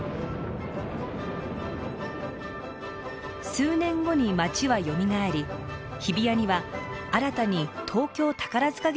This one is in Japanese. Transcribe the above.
数年後に街はよみがえり日比谷には新たに東京宝塚劇場も造られました。